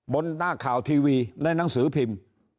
หน้าข่าวทีวีและหนังสือพิมพ์